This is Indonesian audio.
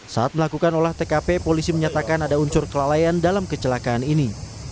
saat melakukan olah tkp polisi menyatakan ada unsur kelalaian dalam kecelakaan ini